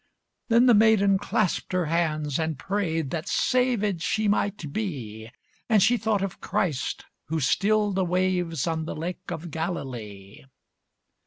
Then the maiden clasped her hands and prayed That saved she might be; And she thought of Christ, who stilled the wave, On the Lake of Galilee.